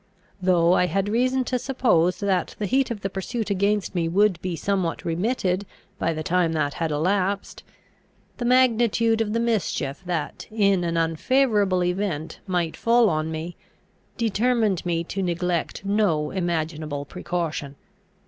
Though I had reason to suppose that the heat of the pursuit against me would be somewhat remitted by the time that had elapsed, the magnitude of the mischief that, in an unfavourable event, might fall on me, determined me to neglect no imaginable precaution.